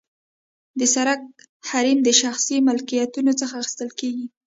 د سرک حریم د شخصي ملکیتونو څخه اخیستل کیږي